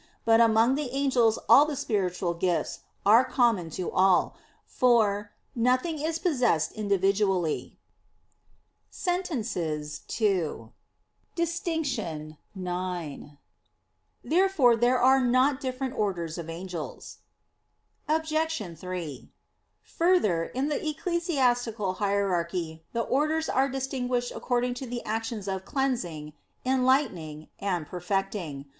But among the angels all the spiritual gifts are common to all, for "nothing is possessed individually" (Sent. ii, D, ix). Therefore there are not different orders of angels. Obj. 3: Further, in the ecclesiastical hierarchy the orders are distinguished according to the actions of "cleansing," "enlightening," and "perfecting."